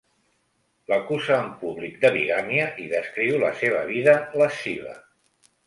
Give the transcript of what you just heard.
L'acusa en públic de bigàmia i descriu la seva vida lasciva.